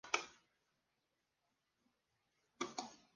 Su sede se encuentra en la localidad de Leiza.